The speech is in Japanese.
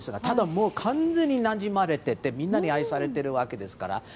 ただ、完全になじまれていてみんなに愛されてるわけですから。